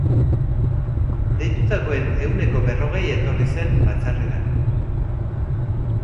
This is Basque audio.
Deitutakoen ehuneko berrogei etorri zen batzarrera.